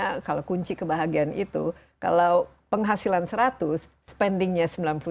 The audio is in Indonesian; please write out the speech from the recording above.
karena kalau kunci kebahagiaan itu kalau penghasilan seratus spendingnya sembilan puluh sembilan